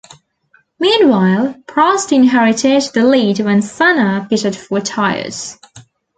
Meanwhile, Prost inherited the lead when Senna pitted for tyres.